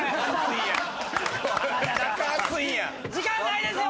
あ‼時間ないですよ！